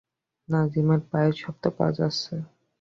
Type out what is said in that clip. নাজিমের পায়ের শব্দ পাওয়া যাচ্ছে।